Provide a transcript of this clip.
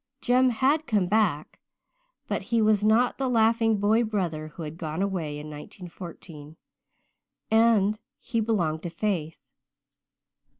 Jem had come back but he was not the laughing boy brother who had gone away in 1914 and he belonged to Faith.